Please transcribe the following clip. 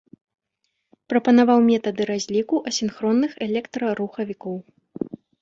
Прапанаваў метады разліку асінхронных электрарухавікоў.